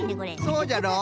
そうじゃろ？